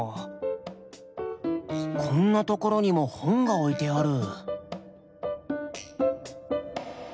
こんな所にも本が置いてある。